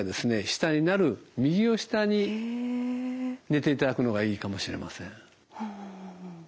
下になる右を下に寝ていただくのがいいかもしれません。